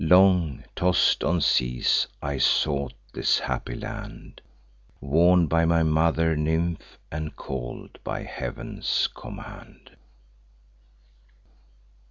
Long toss'd on seas, I sought this happy land, Warn'd by my mother nymph, and call'd by Heav'n's command."